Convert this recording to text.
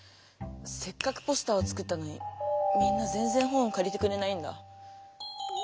せっかくポスターを作ったのにみんなぜんぜん本をかりてくれないんだ。